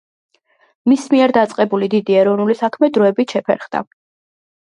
მის მიერ დაწყებული დიდი ეროვნული საქმე დროებით შეფერხდა.